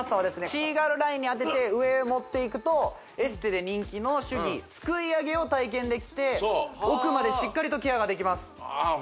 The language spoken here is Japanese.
シーガルラインに当てて上へ持っていくとエステで人気の手技すくいあげを体験できて奥までしっかりとケアができます